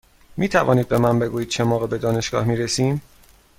می توانید به من بگویید چه موقع به دانشگاه می رسیم؟